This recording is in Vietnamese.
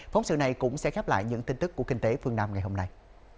phóng sự này cũng sẽ khép lại những tin tức của kinh tế phương nam ngày hôm nay